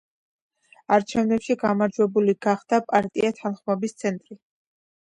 არჩევნებში გამარჯვებული გახდა პარტია თანხმობის ცენტრი.